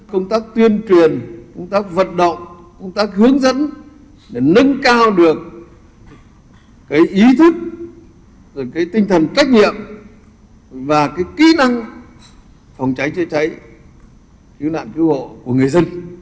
công tác tuyên truyền công tác vận động công tác hướng dẫn để nâng cao được cái ý thức cái tinh thần trách nhiệm và cái kỹ năng phòng cháy chữa cháy cứu nạn cứu hộ của người dân